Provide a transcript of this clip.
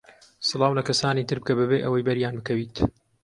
سڵاو لە کەسانی تر بکە بەبێ ئەوەی بەریان بکەویت.